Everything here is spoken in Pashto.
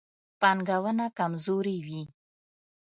پانګونه کمزورې وي.